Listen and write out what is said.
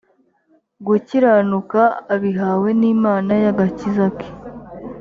gukiranuka abihawe n’imana y’agakiza ke